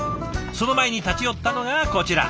その前に立ち寄ったのがこちら。